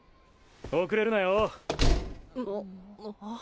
遅れるなよっ。